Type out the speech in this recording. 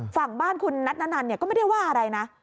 ฝั่งบ้านคุณนัทนานันเนี่ยก็ไม่ได้ว่าอะไรนะ